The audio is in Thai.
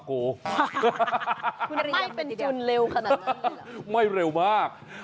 คุณไม่เป็นทุนเร็วขนาดนั้นไม่เร็วมาก